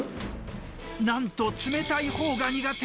なんと冷たいほうが苦手。